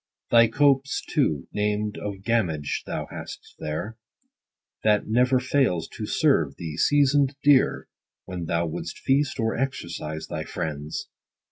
Thy copse too, named of Gamage, thou hast there, That never fails to serve thee season'd deer, 20 When thou wouldst feast or exercise thy friends.